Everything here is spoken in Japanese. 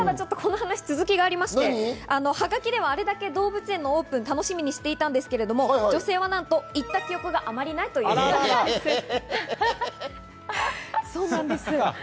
話に続きがありまして、動物園のオープン、楽しみにしていたんですけれども女性は何といった記憶があまりないということです。